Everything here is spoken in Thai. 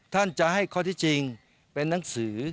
ท่านจะให้ข้อที่จริงเป็นหนังสือ